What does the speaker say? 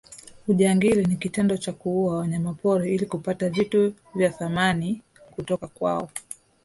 ujangili ni kitendo cha kuua wanyamapori ili kupata vitu vya thamani kutoka kwao